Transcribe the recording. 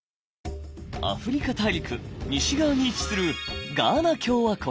アフリカ大陸西側に位置するガーナ共和国。